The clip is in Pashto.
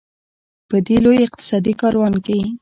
په دې لوی اقتصادي کاروان کې.